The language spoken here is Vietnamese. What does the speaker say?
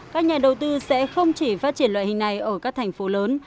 các nhà đầu tư sẽ không chỉ phát triển loại hình này ở các thành phố lớn